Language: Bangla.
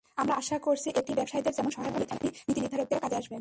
আমরা আশা করছি, এটি ব্যবসায়ীদের যেমন সহায়ক হবে, তেমনি নীতিনির্ধারকদেরও কাজে আসবে।